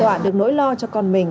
đoạn được nỗi lo cho con mình